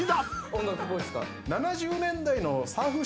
音楽っぽいっすか？